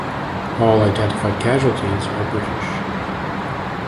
All identified casualties are British.